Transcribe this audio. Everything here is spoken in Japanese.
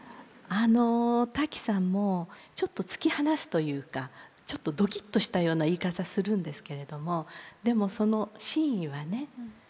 あのタキさんもちょっと突き放すというかちょっとドキッとしたような言い方するんですけれどもでもその真意はね